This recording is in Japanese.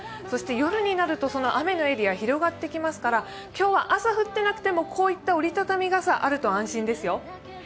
そして夜になると、その雨のエリア広がってきますから今日は朝降っていなくてもこういった折り畳み傘あると安心ですよ。